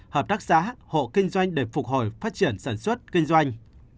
hợp tác xã hộ kinh doanh để phục hồi phát triển sản xuất kinh doanh